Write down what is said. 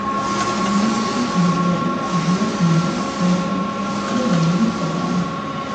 ინტიტუტის დირექტორია: ილია სმირნოვი; დირექტორის მოადგილე: ლეონიდ კოგანი.